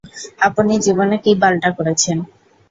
আপনি জীবনে কি বালটা করেছেন?